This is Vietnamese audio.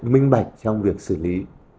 mình bạch trong việc xử lý